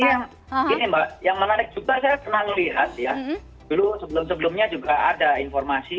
ini mbak yang menarik juga saya pernah melihat ya dulu sebelum sebelumnya juga ada informasi